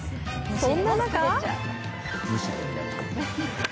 そんな中。